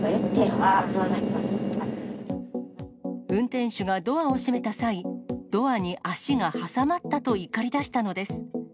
運転手がドアを閉めた際、ドアに足が挟まったと怒りだしたのです。